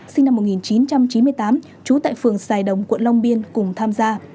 sinh năm một nghìn chín trăm chín mươi tám trú tại phường sài đồng quận long biên cùng tham gia